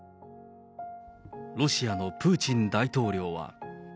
ロシアのプーチン大統領は。